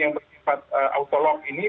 yang bersifat autolog ini